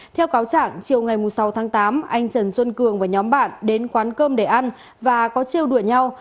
theo cáo trạng chiều ngày sáu tháng tám anh trần xuân cường và nhóm bạn đến quán cơm để ăn và có chiêu đuổi nhau